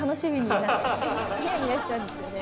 ニヤニヤしちゃうんですよね。